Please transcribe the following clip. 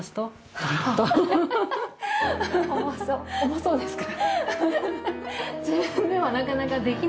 重そうですか？